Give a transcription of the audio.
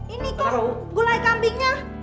ini kok gulai kambingnya